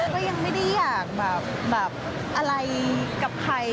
ก็ยังไม่ได้อยากแบบอะไรกับใคร